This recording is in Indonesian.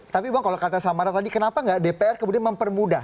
tapi bang kalau kata samara tadi kenapa nggak dpr kemudian mempermudah